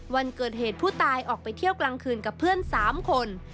วันเกิดเหตุผู้ตายออกไปเที่ยวกลางคืนกับเพื่อน๓คน